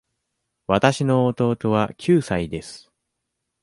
わたしの弟は九歳です。